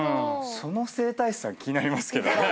その整体師さん気になりますけどね。